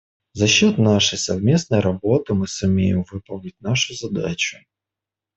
За счет нашей совместной работы мы сумеем выполнить нашу задачу.